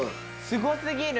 すごすぎる！